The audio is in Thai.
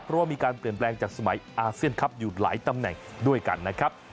เพราะว่ามีการเปลี่ยนแปลงจากสมัยอาเซียนคลับอยู่หลายตำแหน่งด้วยกันนะครับ